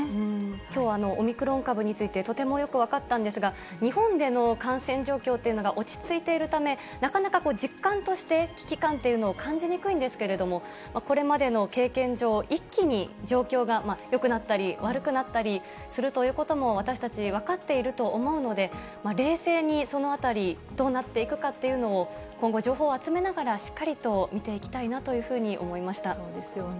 きょう、オミクロン株についてとてもよく分かったんですが、日本での感染状況っていうのが落ち着いているため、なかなか実感として危機感というのを感じにくいんですけれども、これまでの経験上、一気に状況がよくなったり悪くなったりするということも、私たち、分かっていると思うので、冷静にそのあたり、どうなっていくかっていうのを、今後、情報を集めながら、しっかりと見ていきたいなそうですよね。